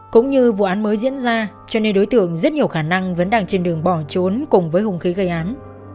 cũng như vụ án mới diễn ra cho nên đối tượng rất nhiều khả năng vẫn đang trên đường bỏ trốn cùng với hùng khí gây án